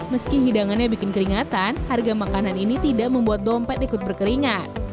meski hidangannya bikin keringatan harga makanan ini tidak membuat dompet ikut berkeringat